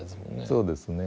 そうですね。